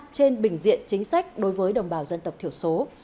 trên bình diện chính sách đối với đồng bào dân tộc thiểu số